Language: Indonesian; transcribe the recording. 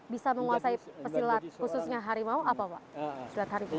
bisa menguasai pesilat khususnya harimau apa pak